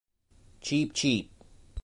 Cheap, cheap.